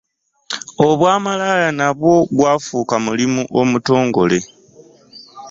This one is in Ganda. Obwa malaaya nagwo gwafuuka mulimu omutongole.